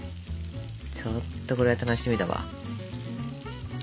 ちょっとこれは楽しみだわ。